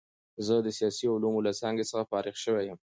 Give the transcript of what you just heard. زه د سیاسي علومو له څانګې څخه فارغ شوی یم.